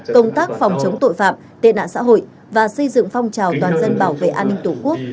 công tác phòng chống tội phạm tệ nạn xã hội và xây dựng phong trào toàn dân bảo vệ an ninh tổ quốc